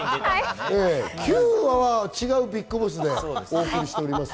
９話は違うＢＩＧＢＯＳＳでお送りしております。